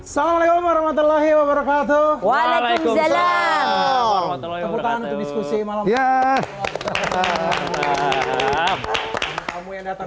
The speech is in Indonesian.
salamualaikum warahmatullahi wabarakatuh waalaikumsalam